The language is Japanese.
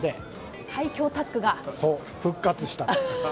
最強タッグが復活したんです。